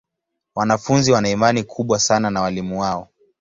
Wanafunzi wana imani kubwa sana na walimu wao.